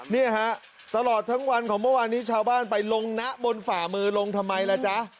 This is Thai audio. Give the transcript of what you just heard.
เนี่ยฮะตลอดทั้งวันของเมื่อวานนี้ชาวบ้านไปลงนะบนฝ่ามือลงทำไมล่ะจ๊ะ